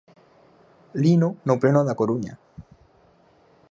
Lino no pleno da Coruña.